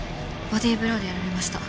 ボディーブローでやられました。